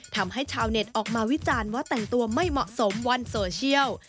ทำให้ชาวเน็ตออกมาวิจารณ์ว่าแต่งตัวไม่เหมาะสมวันโซเชียล